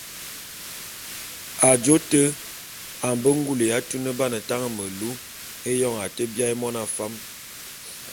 Ajô te a mbe ngule ya tuneban tañe melu éyoñ a te biaé mona fam.